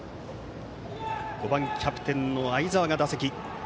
５番、キャプテンの相澤が打席。